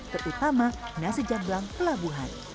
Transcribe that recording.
terutama nasi jamblang pelabuhan